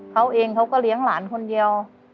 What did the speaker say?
เขาเองเขาก็เลี้ยงหลานคนเดียว